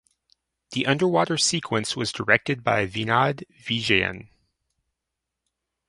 The underwater sequence was directed by Vinod Vijayan.